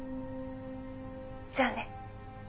じゃあね。